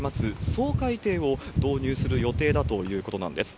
掃海艇を導入する予定だということなんです。